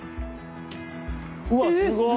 うわっすごい！